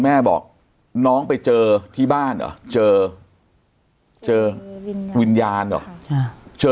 แม่บอกน้องไปเจอที่บ้านอ่ะเจอเจอวิญญาณอ่ะค่ะเจอ